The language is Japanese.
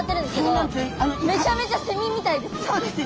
そうです。